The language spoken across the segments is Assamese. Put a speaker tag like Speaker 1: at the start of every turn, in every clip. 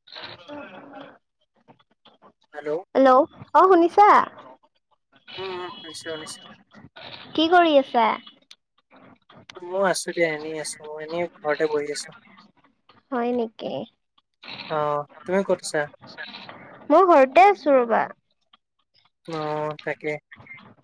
Speaker 1: [unintelligible]
Speaker 2: হেল্ল'।
Speaker 1: হেল্ল' অ শুনিছা?
Speaker 2: উম শুনিছোঁ শুনিছোঁ।
Speaker 1: কি কৰি আছা?
Speaker 2: মই আছো দিয়া এনেই আছো মই এনেই ঘৰতে বহি আছো।
Speaker 1: হয় নেকি?
Speaker 2: অ তুমি ক'ত আছা
Speaker 1: মই ঘৰতে আছো ৰবা
Speaker 2: অ তাকে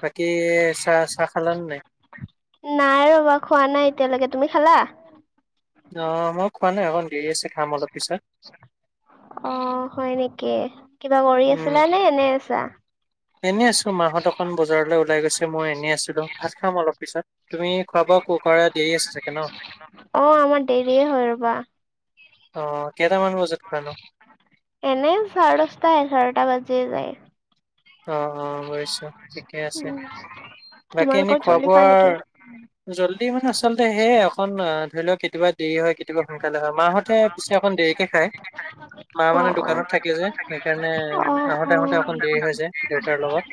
Speaker 2: বাকী চাহ চাহ খালানে নাই?
Speaker 1: নাই ৰবা খোৱা নাই এতিয়ালৈকে, তুমি খালা?
Speaker 2: অ মই খোৱা নাই অকণ দেৰি আছে খাম অলপ পিছত।
Speaker 1: অ হয় নেকি কিবা কৰি
Speaker 2: উম
Speaker 1: আছিলা নে এনে আছা?
Speaker 2: এনেই আছোঁ, মাহত অকণ বজাৰলৈ ওলাই গৈছে মই এনেই আছিলোঁ। ভাত খাম অলপ পিছত। তুমি খোৱা বোৱা কৰা দেৰি আছে চাগে ন?
Speaker 1: অ আমাৰ দেৰিয়ে হয় ৰবা।
Speaker 2: অ কেইটামান বজাত খুৱা নো?
Speaker 1: এনে চাৰে দছটা এঘাৰটা বাজিয়ে যায়।
Speaker 2: অঁ অঁ বুজিছোঁ ঠিকে আছে
Speaker 1: উম
Speaker 2: বাকী
Speaker 1: তোমালোকৰ
Speaker 2: এনেই খোৱা
Speaker 1: জল্দি নেকি
Speaker 2: বোৱাৰ, জল্দি মানে আচলতে সেয়ে এখন অ ধৰি লওক কেতিয়াবা, দেৰি হয় কেতিয়াবা সোনকালে হয় মাহঁতে পিছে অকন দেৰিকে খায়, মা
Speaker 1: অ
Speaker 2: মানে দোকানত থাকে যে, সেইকাৰণে
Speaker 1: অ অ
Speaker 2: আহোতে আহোতে অকণ দেৰি হৈ যায়, দেউতাৰ লগত।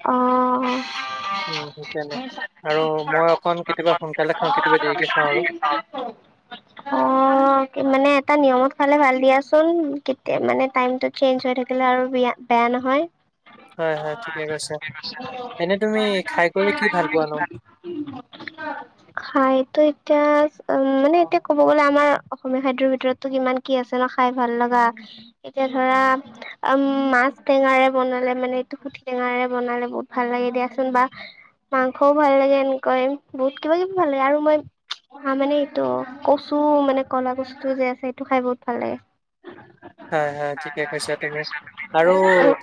Speaker 1: অ'।
Speaker 2: উ, সেইকাৰনে আৰু মই অকণ কেতিয়াবা সোনকালে খাওঁ, কেতিয়াবা দেৰিকে খাওঁ আৰু।
Speaker 1: [unintelligible] অ' মানে এটা নিয়মত খালে ভাল দিয়াচোন, তেতিয়া মানে টাইমটো চেঞ্জ হৈ থাকিলে আৰু বেয়া, বেয়া নহয়,
Speaker 2: হয় হয় ঠিকে কৈছা। এনে তুমি খাই কৰি কি ভাল পোৱা নো?
Speaker 1: খাইটো এতিয়া মানে এতিয়া কব গ'লে আমাৰ, অসমীয়া খাদ্যৰ ভিতৰতটো কিমান কি আছে ন' খাই ভাল লগা, এতিয়া ধৰা অ মাছ টেঙাৰে বনালে মানে এইটো পুঠি টেঙাৰে বনালে বহুত ভাল লাগে দিয়াচোন বা, মাংসও ভাল লাগে এনেকাই বহুত কিবা কিবি ভাল লাগে আৰু মই, আ মানে এইটো কচু মানে, ক'লা কচু টো যে আছে সেইটো খাই বহুত ভাল লাগে।
Speaker 2: হয় হয় ঠিকে কৈছা তুমি। আৰু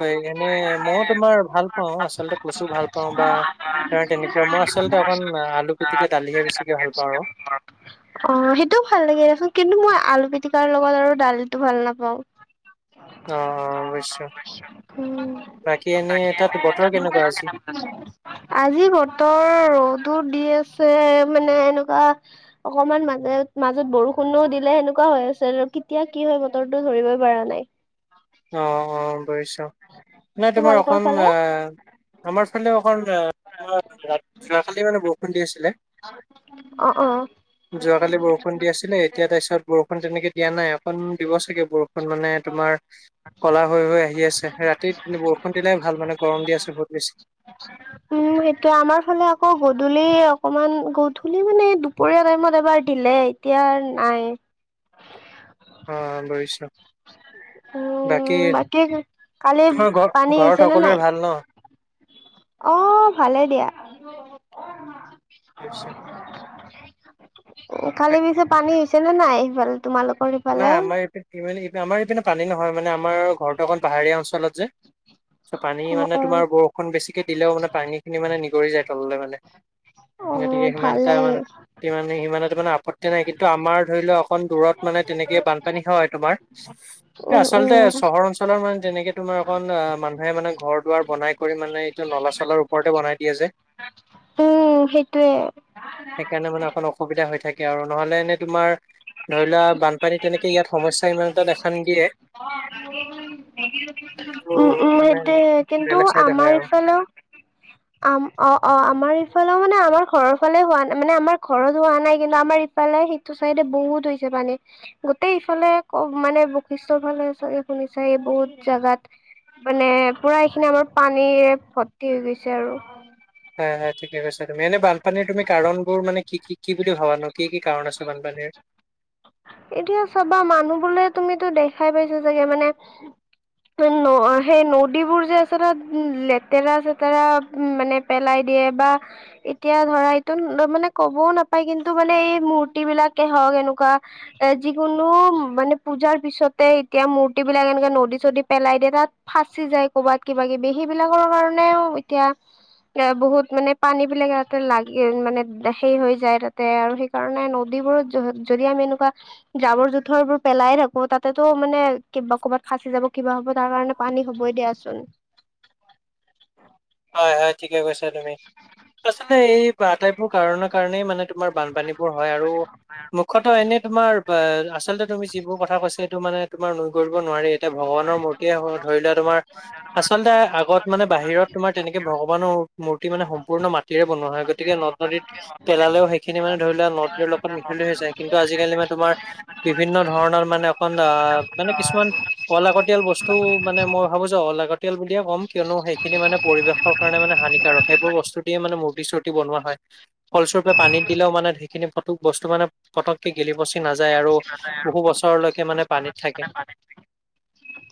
Speaker 2: এনে মও তোমাৰ ভাল পাওঁ আচলতে কচু ভাল পাওঁ বা, ত তেনেকুৱা মই আচলতে অকণ আলু পিটিকা দালিহে বেছিকে ভাল পাওঁ আৰু,
Speaker 1: অ', সেইটোও ভাল লাগে। কিন্তু মই আলু পিটিকাৰ লগত আৰু দালিটো ভাল নাপাওঁ।
Speaker 2: অ অ বুজিছো
Speaker 1: হু,
Speaker 2: বাকী এনে তাত বতৰ কেনেকুৱা আজি
Speaker 1: [unintelligible] আজি বতৰ ৰ'দো দি আছে মানে এনেকুৱা, অকমান মানে মাজত বৰষু, নো দিলে সেনেকুৱা হৈ আছে আৰু কেতিয়া কি হয় বতৰটো ধৰিবই পৰা নাই।
Speaker 2: অ', অ' বুজিছোঁ, এনে তোমাৰ
Speaker 1: তোমালোকৰ
Speaker 2: অকন,
Speaker 1: ফালে
Speaker 2: আমাৰ ফালে অখন আৰ যোৱাকালি মানে বৰষুণ দি আছিলে।
Speaker 1: অ', অ'।
Speaker 2: যোৱাকালি বৰষুণ দি আছিলে, এতিয়া তাৰপিছত বৰষুণ তেনেকে দিয়া নাই, অকণ দিব চাগে বৰষুণ। মানে তোমাৰ, কলা হৈ হৈ আহি আছে, ৰাতি বৰষুণ দিলে ভাল মানে গৰম দি আছে বহুত বেছি।
Speaker 1: উম, সেইটোয়ে আমাৰ ফালে আকৌ গধূলি অকমান গধূলি মানে দুপ, দুপৰিয়া টাইমত এবাৰ দিলে এতিয়া নাই।
Speaker 2: অ' বুজিছোঁ।
Speaker 1: উম, বাকী কালি
Speaker 2: তোমাৰ ঘৰ
Speaker 1: পানী
Speaker 2: ঘৰত
Speaker 1: হৈছে নে
Speaker 2: সকলোৰে
Speaker 1: নাই?
Speaker 2: ভাল ন
Speaker 1: অ' ভালে দিয়া।
Speaker 2: নিশ্চয়।
Speaker 1: কালি
Speaker 2: বাক-
Speaker 1: পিছে পানী হৈছে নে নাই সেইফালে তোমালোকৰ? সিফালে?
Speaker 2: নাই আমাৰ ইপিনে ই আমাৰ ইপিনে পানী নহয় মানে আমাৰ ঘৰটো অকন পাহাৰীয়া অঞ্চলত যে। চ' পানী
Speaker 1: অ',
Speaker 2: মানে তোমাৰ
Speaker 1: অ'।
Speaker 2: বৰষুণ বেছিকে দিলেও মানে পানী খিনি মানে নিগৰি যায় তললৈ মানে। গতিকে
Speaker 1: অ',
Speaker 2: সিমান এটা
Speaker 1: ভালেই
Speaker 2: আমাৰ মানে সিমান এটা মানে আপত্তি নাই কিন্তু আমাৰ ধৰি লওঁক অকণ দূৰত মানে তেনেকে বানপানী হয় তোমাৰ,
Speaker 1: উম,
Speaker 2: আচলতে
Speaker 1: উম,
Speaker 2: চহৰ অঞ্চ লৰ মানে যেনেকে তোমাৰ একন এ, মানুহে মানে ঘৰ-দুৱাৰ বনাই কৰি মানে এইটো নলা চলাৰ ওপৰতে বনাই দিয়ে যে।
Speaker 1: উম, সেইটোৱে।
Speaker 2: সেইকাৰণে মানে অকণ অসুবিধা হৈ থাকে আৰু নহ'লে এনেই তোমাৰ ধৰি লোৱা বানপানী তেনেকে ইয়াত সমস্যা ইমান এটা দেখা নিদিয়ে। ত'
Speaker 1: উম, উম,
Speaker 2: মানে
Speaker 1: সেইটোয়ে কিন্তু
Speaker 2: বেলেগ চাইডে
Speaker 1: আমাৰ
Speaker 2: হয় আৰু
Speaker 1: ইফালেও আম' অ', অ' আমাৰ ইফালে মানে আমাৰ ঘৰৰ ফালে হোৱা নাই মানে আমাৰ ঘৰত হোৱা নাই কিন্তু আমাৰ ইফালে ইটো চাইডে বহুত হৈছে পানী। গোটেই ইফালে ক' মানে বশিষ্টৰ ফালে চাগে শুনিছাই এই বহুত জেগাত। মানে পুৰা এইখিনি আমাৰ পানীৰে ভৰ্তি হৈ গৈছে আৰু।
Speaker 2: হয় হয়, ঠিকে কৈছা তুমি, এনেই বানপানীৰ তুমি কাৰণবোৰ মানে কি কি কি বুলি ভবানো কি কি কাৰণ আছে বানপানীৰ?
Speaker 1: এতিয়া চাবা মানুহ বোৰে তুমিতো দেখাই পাইছা চাগে মানে সেই ন সেই নদীবোৰ যে আছে তাত লেতেৰা-চেতেৰা মানে পেলাই দিয়ে বা এতিয়া ধৰা এইটো মানে ক'বও নাপায় কিন্তু মানে এই মূৰ্তি বিলাকে হওক এনেকুৱা এ যিকোনো মানে পূজাৰ পিছতে এতিয়া মূৰ্তি বিলাক এনেকে নদী-চদীত পেলাই দিয়ে তাত- ফাঁচি যায় কৰ'বাত কিবা কিবি সেইবিলাকৰ কাৰণেও এতিয়া- এ বহুত মানে পানী বিলাকে তাতে লাগি মানে সেই হৈ যায় তাতে আৰু- সেইকাৰণে নদীবোৰত যদি আমি এনেকুৱা জাবৰ জোথৰবোৰ পেলাই থাকো তাতেতো মানে কিবা কৰ'বাত ফাঁচি যাব কিবা হ'ব তাৰ কাৰণে- পানী হ'বই দিয়াচোন।
Speaker 2: হয় হয় ঠিকে কৈছা তুমি, আচলতে এই আটাইবোৰ কাৰণৰ কাৰণেই মানে তোমাৰ বানপানী বোৰ হয় আৰু দুখত এনেই তোমাৰ আচলতে তুমি যিবোৰ কথা কৈছা সেইটো মানে তোমাৰ নুই কৰিব নোৱাৰি। ভগৱানৰ মূৰ্তে হওঁক ধৰি লোৱা তোমাৰ আচলতে আগত মানে বাহিৰত তোমাৰ তেনেকে ভগৱানৰ মূৰ্তি মানে সম্পূৰ্ণ মাটিৰে বনোৱা হয় গতিকে নদ-নদীত পেলালেও হেই খিনি মানে ধৰি লোৱা নদ-নদীৰ লগত মিহলি হৈ যায় কিন্তু আজিকালি মানে তোমাৰ বিভিন্ন ধৰণৰ মানে অকণ আহ' মানে কিছুমান- অলাগতিয়াল বস্তু মানে মই ভাবো যে অলাগতিয়াল বুলিয়ে কম কিয়নো সেইখিনি মানে- পৰিৱেশৰ কাৰণে মানে হানিকাৰক সেইবোৰ বস্তু দিয়ে মানে মূৰ্তি চূৰ্তি বনোৱা হয়। ফলস্বৰূপে পানীত দিলেও মানে সেইখিনি ফটো বস্তু মানে- পটককে গেলি পচি নাযায় আৰু বহু বছৰলৈকে মানে পানীত থাকে।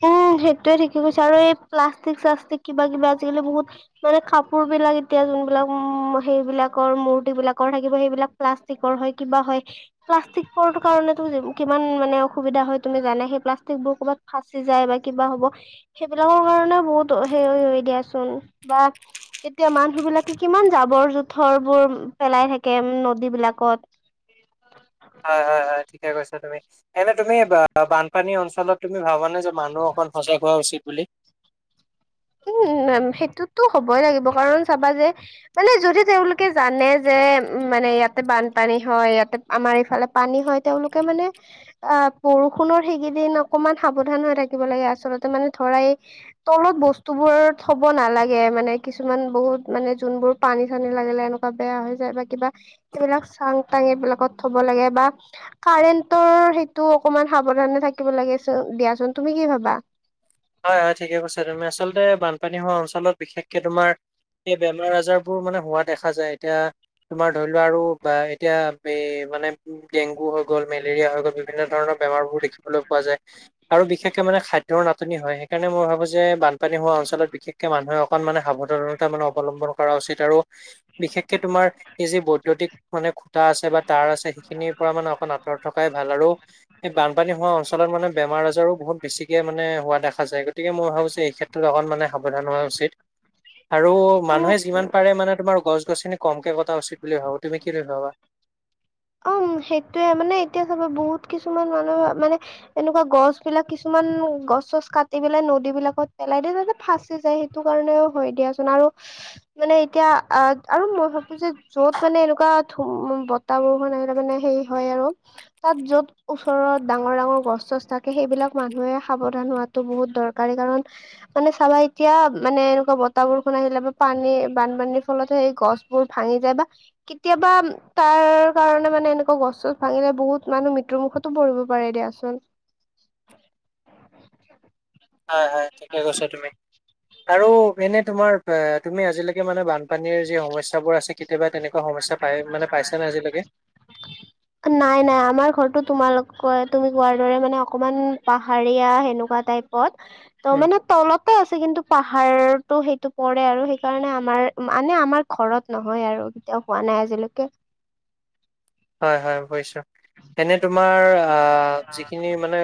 Speaker 1: উমঁ' সেইটোয়ে ঠিকে কৈছে আৰু এই প্লাষ্টিক শ্লাষ্টিক কিবাকিবি আজিকালি বহুত- মানে কাপোৰ বিলাক এতিয়া যোনবিলাক উম, সেইবলাকৰ মূৰ্তি বিলাকৰ থাকিব। সেইবিলাক- প্লাষ্টিকৰ হয়, কিবা হয়, প্লাষ্টিক ৰটো কাৰণেটো কিমান মানে অসুবিধা হয় তুমি জানাই, সেই প্লাষ্টিক বোৰ ক'ৰবাত ফাচি যায় বা কিবা হ'ব- সেইবিলাকৰ কাৰণে বহুত সে হৈ দিয়াচোন বা- এতিয়া মানুহ বিলাকে কিমান জাবৰ জোথৰ বোৰ পেলাই থাকে নদী বিলাকত।
Speaker 2: হয় হয় হয়, ঠিকে কৈছা তুমি, এনে তুমি বানপানী অঞ্চলত তুমি ভাবানে- যে মানুহ অকন সজাগ হোৱা উচিত বুলি।
Speaker 1: উম, সেইটোতো হ'বই লাগিব কাৰণ চাবা যে- মানে যদি তেওঁলোকে জানে যে উমঁ' মানে ইয়াতে বানপানী হয় ইয়াতে- আমাৰ এইফালে পানী হয়। তেওঁলোকে মানে- আহ' বৰষুণৰ সেইকেইদিন অকমান সাৱধান হৈ থাকিব লাগে আচলতে মানে ধৰাই তলত বস্তু বস্তু বোৰ থব নালাগে মানে কিছুমান বহুত মানে যোনবোৰ পানী চানী লাগিলে এনেকুৱা, বেয়া হৈ যায় বা কিবা সেই বিলাক চাং তাং এইবিলাকত থব লাগে বা, কাৰেণ্টটো সেইটো অকমান সাৱধানে থাকিব লাগে চ দিয়াচোন। তুমি কি ভাবা?
Speaker 2: হয় হয় ঠিকে কৈছা তুমি আচলতে বানপানী হোৱা অঞ্চলত বিশেষকে তোমাৰ, সেই বেমাৰ আজাৰ বোৰ মানে হোৱা দেখা যায় এতিয়া, তোমাৰ ধৰি লোৱা আৰু বা এতিয়া বে মানে, ডেংগু হৈ গ'ল, মেলেৰিয়া হৈ গ'ল বিভিন্ন ধৰণৰ বেমাৰ বোৰ দেখিবলৈ পোৱা যায়। আৰু বিশেষকে মানে খাদ্যৰ নাটনি, নাটনি হয় সেইকাৰণে মই ভাবো যে বানী হোৱা অঞ্চলত বিশেষকে মানুহে অকণ মান সাৱধানতা মানে অৱলম্বন, কৰা উচিত আৰু বিশেষকে তোমাৰ এই যি বৈদ্যুতিক মানে খুটা আছে বা, তাৰ আছে সেইখিনিৰ পৰা মানে অকমান আঁতৰত থকাই ভাল আৰু, এই বানপানী হোৱা অঞ্চলত মানে বেমাৰ আজাৰো বহুত, বেছিকে মানে হোৱা দেখা যায় গতিকে মই ভাবোঁ যে এই ক্ষেত্ৰত অকণমান মানে সাৱধান হোৱা উচিত। আৰু
Speaker 1: উম
Speaker 2: মানুহে যিমান পাৰে মানে তোমাৰ গছ গছিনি কমকে কটা উচিত বুলি ভাবো তুমি কি বুলি ভাবা?
Speaker 1: উম সেইটোয়ে মানে এতিয়া চাবা বহুত কিছুমান মানুহে মানে, এনেকুৱা গছ বিলাক কিছুমান গছ চছ কাটি পেলাই নদী বিলাকত পেলাই দিয়ে যে, ফাচি যায় সেইটো কাৰণেও হয় দিয়াচোন আৰু মানে এতিয়া আহ আৰু মই ভাবো যে, য'ত মানে এনেকুৱা বতাহ বৰষুণ আহিলে মানে হেৰি হয় আৰু তাত য'ত, ওচৰত ডাঙৰ ডাঙৰ গছ চছ থাকে সেইবিলাক মানুহে সাৱধান হোৱাতো বহুত দৰকাৰী কাৰণ, মানে চাবা এতিয়া মানে এনেকুৱা বতাহ বৰষুণ আহিলে বা পানী বানপানীৰ ফলত হে সেই গছ, বোৰ ভাঙি যায় বা কেতিয়াবা তাৰ, কাৰণে মানে এনেুৱা গছ ভাঙিলে বহুত মানুহ মৃত্যুমুখতো পৰিব পাৰে দিয়াচোন।
Speaker 2: হয় হয় ঠিকে কৈছ তুমি আৰু এনেই তোমাৰ তুমি আজিলৈকে মানে বান, পানীৰ যি সমস্যা বোৰ আছে কেতিয়াবা তেনেকুৱা সমস্যা পাই মানে পাইছ নে আজিলৈকে,
Speaker 1: নাই নাই আমাৰ ঘৰৰতো তোমালোকৰ তুমি কোৱাৰ দৰে মানে অকমান পাহাৰীয়া সেনেকুৱা টাইপ। ত
Speaker 2: উম
Speaker 1: মানে তলত, ঠিকে আছে কিন্তু পাহাৰতো সেইটো পৰে আৰু সেইকাৰণে আমাৰ মানে আমাৰ, ঘৰত নহয় আৰু কেতিয়াও হোৱা নাই আজিলৈকে।
Speaker 2: হয় হয় বুজিছোঁ এনে তোমাৰ যিখিনি মানে,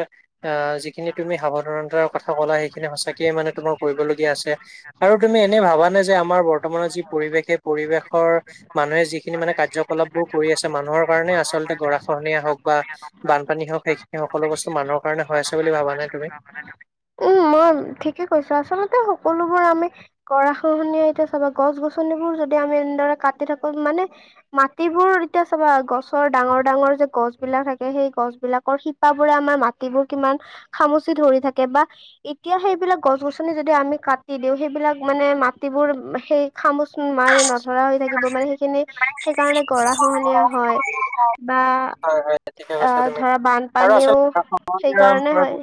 Speaker 2: আহ যিখিনি তুমি সাৱধানতাৰ কথা ক'লা সেইখিনি সঁচাকৈয়ে মানে তোমাৰ কৰিবলগীয়া আছে। আৰু তুমি এনেই ভাবা নে যে আমাৰ বৰ্তমানৰ যি পৰিৱেশ সেই পৰিৱেশৰ, মানুহে যিখিনি মানে কাৰ্যকলাপবোৰ কৰি আছে মানুহৰ কাৰণে আচলতে গৰাখহনীয়া হওক বা, বানপানী হওক সেইখিনি সকলো বস্তু মানুহৰ কাৰণে হৈ আছে বুলি ভাবা নে তুমি?
Speaker 1: উম মই ঠিকে কৈছো আচলতে সকলোবোৰ আমি, গৰা খহনীয়া এতিয়া চাব গছ গছনিবোৰ যদি আমি এনেদৰে কাটি থাকো মানে, মাটিবোৰ এতিয়া চাবা গছৰ ডাঙৰ ডাঙৰ যে গছ বিলাক থাকে সেই গছ, বিলাকৰ শিপ বোৰে আমাৰ মাটিবোৰ কিমান খামুচি ধৰি থাকে বা, এতিয়া সেইবিলাক গছ গছনি যদি আমি কাটি দিও সেইবিলাক মানে মাটিবোৰ সেই, খামুচ মাৰেি নধৰা হৈ থাকিব মানে সেইখিনি সেইকাৰণে গৰা খহনীয়া হয়। বা
Speaker 2: হয় হয় ঠিকে কৈছা
Speaker 1: আহ
Speaker 2: তুমি
Speaker 1: ধৰা
Speaker 2: আৰু
Speaker 1: বানপানীও
Speaker 2: আচলতে,
Speaker 1: সেইকাৰণে হয়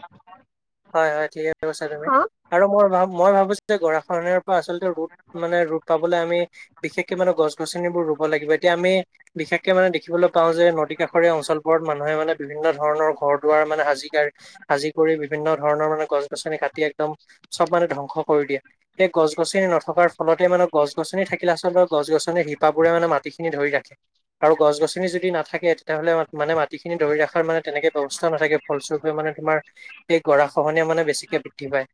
Speaker 2: হয় হয় ঠিকে কৈছা তুমি
Speaker 1: হা
Speaker 2: আৰু মই ভ মই ভাবিছো যে গৰাখহনীয়াৰ, আচলতে ৰোধ মানে ৰোধ পাবলে আমি, বিশেষকে মানে গছ গছনিবোৰ ৰুব লাগিব এতিয়া আমি বিশেষকে মানে, দেখিবলৈ পাওঁ যে নদী কাষৰীয়া অঞ্চলবোৰত মানুহে মানে বিভিন্ন ধৰণৰ ঘৰ দুৱাৰ মানে হাজিকা, আাজি কৰি বিভিন্ন ধৰণৰ মানে গছ গছনি কাটি একদম চব মানে ধ্বংস কৰি দিয়ে সেই গছ গছনি নথকাৰ ফলতে মানে গছ গছনি থাকিলে আচলতে গছ গছনিৰ শিপাবোৰে মানে মাটিখিনি ধৰি ৰাখে আৰু গছ গছ নি যদি নাাকে তেতিয়াহ'লে মানে মাটিখিনি ধৰি ৰাখাৰ মানে তেনেকে ব্যৱস্থা নাথাকে ফলস্বৰূপে মানে তোমাৰ সেই গৰা খহনীয়া মানে বেছিকে বৃদ্ধি পায়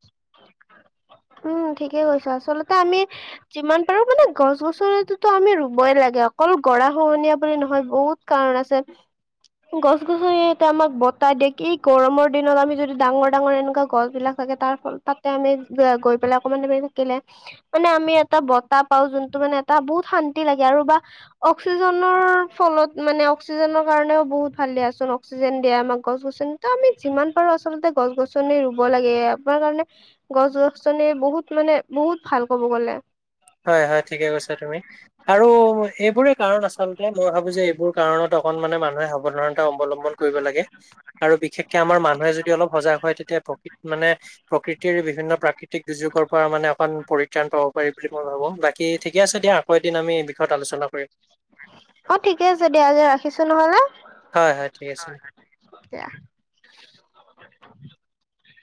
Speaker 1: উম ঠিকেই কৈছো আচলতে আমি যিমান পাৰো মানে গছ গছনিটোতো আমি ৰুবই লাগে অকল গৰা খহনীয়া বুলি নহয় বহুত কাৰণ আছে গছ গছনি ইতে আমাক বতাহ দিয়ে কি গৰমৰ দিনত আমি যদি ডাঙৰ ডাঙৰ এনেকোৱা গছ বিলাক চাগে তাৰ তাতে আমি গৈ পেলাই অকমান দেমৰি থাকিলে মানে আমি এটা বতাহ পাও যোনটো মানে এটা বহুত শান্তি লাগে আৰু বা অক্সিজেনৰ ফলত মানে অক্সিজেনৰ কাৰণেও বহুত ভাল দিয়া চোন অক্সিজেন দিয়া আমাক গছ গছনি ত আমি যিমান পাৰো আচলতে গছ গছনি ৰুব লাগে আমাৰ কাৰণে গছ গছ নিয়ে বহুত মানে বহুত ভাল ক'ব গ'লে
Speaker 2: হয় হয় ঠিকে কৈছা তুমি আৰু সেইবোৰে কাৰণ আচলতে মই ভাবো যে এইবোৰ কাৰণত অকন মানে মানুহে সাৱধানতা অৱলম্বন কৰিব লাগে আৰু বিশেষকে আমাৰ মানুহে যদি অলপ সজাগ হয় তেতিয়া প্ৰকৃত মানে প্ৰকৃতিৰ বিভিন্ন প্ৰাকৃতিক দুৰ্যোগৰ পৰা মানে অকণ পৰিত্ৰাণ পাব পাৰি বুলি মই ভাবো বা কি ঠিকে আছে দিয়া আকৌ এদিন আমি এই বিষয়ত আলোচনা কৰিম
Speaker 1: অ ঠিকে আছে দিয়া আজি ৰাখিছো নহলে
Speaker 2: হয় হয় ঠিক আছে
Speaker 1: দিয়া